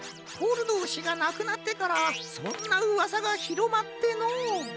コルドー氏がなくなってからそんなうわさがひろまってのう。